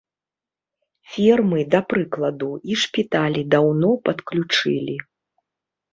Фермы, да прыкладу, і шпіталі даўно падключылі.